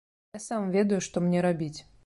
Я сам ведаю, што мне рабіць.